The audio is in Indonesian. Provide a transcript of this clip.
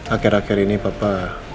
akhir akhir ini papa